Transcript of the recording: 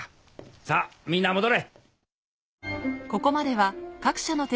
さぁみんな戻れ！